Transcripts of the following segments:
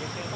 terdiri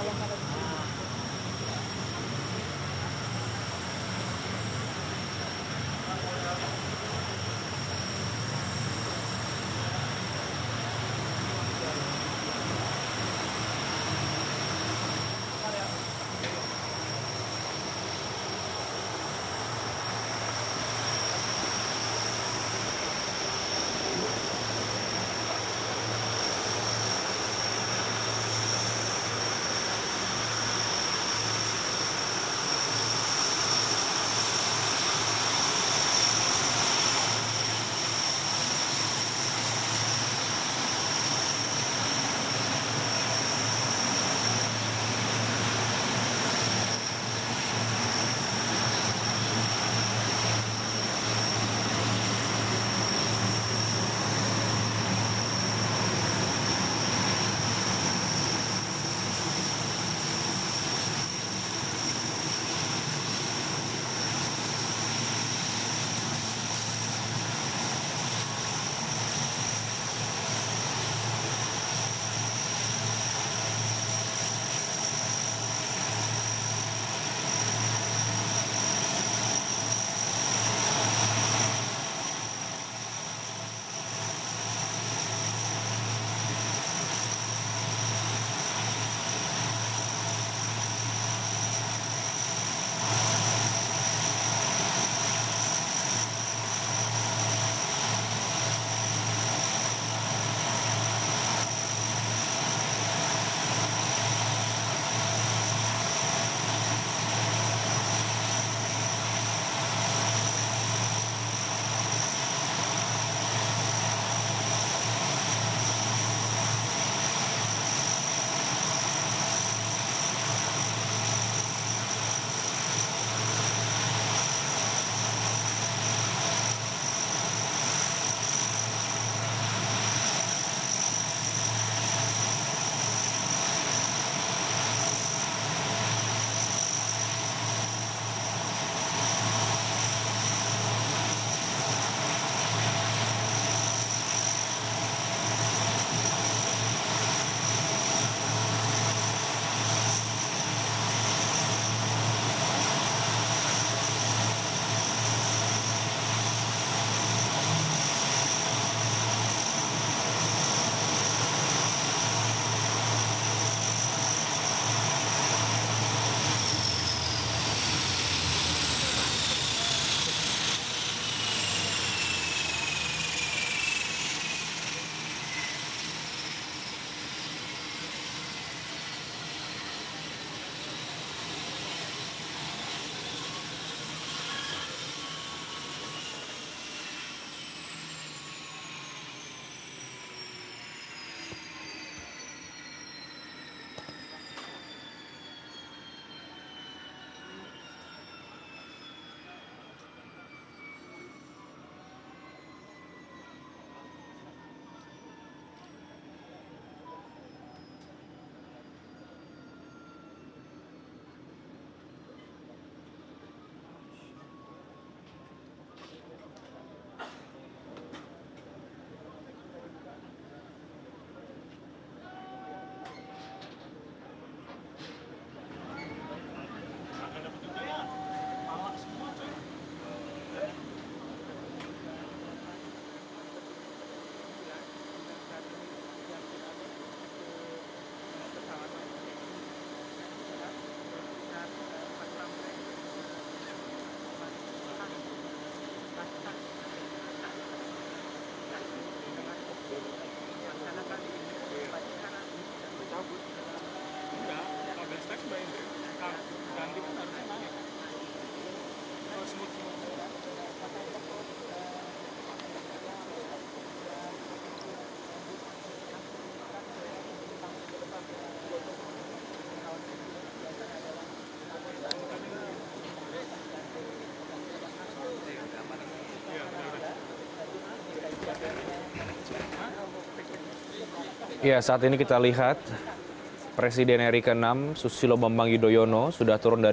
di singapura